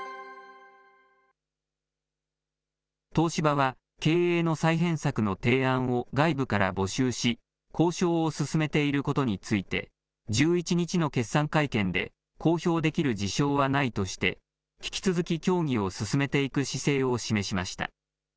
東芝は、経営の再編策の提案を外部から募集し、交渉を進めていることについて、１１日の決算会見で、公表できる事象はないとして、引き続き協議を進めていく姿勢を示しました。